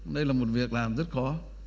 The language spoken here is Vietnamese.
đây là một việc làm rất khó